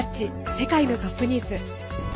世界のトップニュース」。